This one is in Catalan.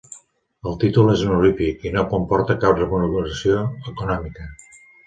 El títol és honorífic i no comporta cap remuneració econòmica.